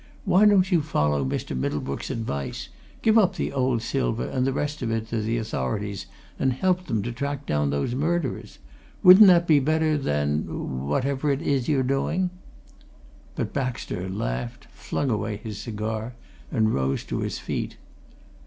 "Why don't you follow Mr. Middlebrook's advice give up the old silver and the rest of it to the authorities and help them to track down those murderers? Wouldn't that be better than whatever it is that you're doing?" But Baxter laughed, flung away his cigar, and rose to his feet.